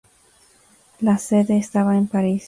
La sede estaba en París.